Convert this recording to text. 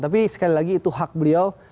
tapi sekali lagi itu hak beliau